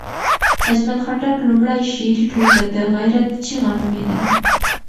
اجمل خټک لومړۍ شعري ټولګه د غیرت چغه نومېده.